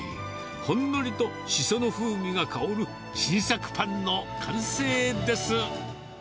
ほんのりとしその風味が香る、新作パンの完成です。